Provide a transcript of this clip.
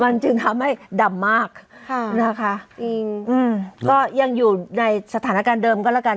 มันจึงทำให้ดำมากค่ะนะคะจริงอืมก็ยังอยู่ในสถานการณ์เดิมก็แล้วกัน